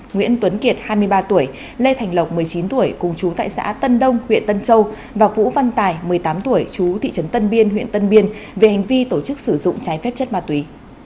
nguyễn tuấn kiệt hai mươi ba tuổi lê thành lộc một mươi chín tuổi cùng chú tại xã tân đông huyện tân châu và vũ văn tài một mươi tám tuổi chú thị trấn tân biên huyện tân biên về hành vi tổ chức sử dụng trái phép chất ma túy